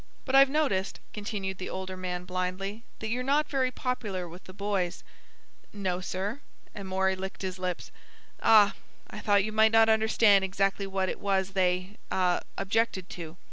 "But I've noticed," continued the older man blindly, "that you're not very popular with the boys." "No, sir." Amory licked his lips. "Ah—I thought you might not understand exactly what it was they—ah—objected to.